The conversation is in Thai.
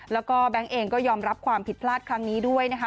แล้วก็แบงค์เองก็ยอมรับความผิดพลาดครั้งนี้ด้วยนะคะ